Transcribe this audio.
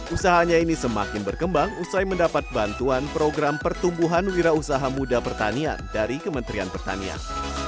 usahanya ini semakin berkembang usai mendapat bantuan program pertumbuhan wira usaha muda pertanian dari kementerian pertanian